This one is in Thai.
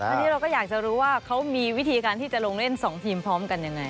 อันนี้เราก็อยากจะรู้ว่าเขามีวิธีการที่จะลงเล่น๒ทีมพร้อมกันยังไง